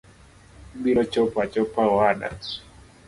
Ibiro chopo achopa owada.